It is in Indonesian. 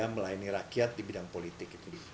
melayani rakyat di bidang politik